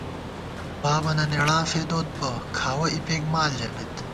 بابَنہ نېڑاں فېدوت بہ ،کھاوَہ اِپېک مال ژَمېت